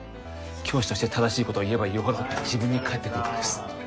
教師として正しいことを言えば言うほど自分に返ってくるからです